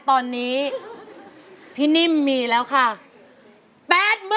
ขอบคุณครับ